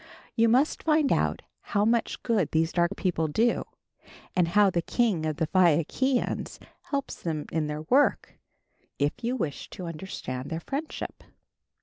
You must find out how much good these dark people do and how the King of the Phaiakians helps them in their work, if you wish to understand their friendship.